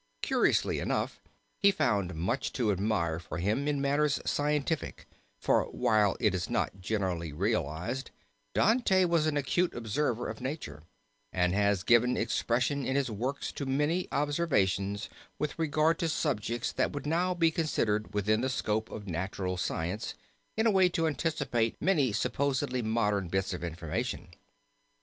Curiously enough he found much to admire him for in matters scientific, for while it is not generally realized, Dante was an acute observer of Nature and has given expression in his works to many observations with regard to subjects that would now be considered within the scope of natural science, in a way to anticipate many supposedly modern bits of information.